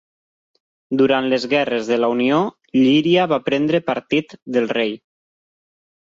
Durant les guerres de la Unió, Llíria va prendre partit del rei.